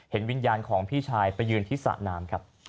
เห็นวิญญาณของพี่ชายไปยืนที่สระน้ำครับ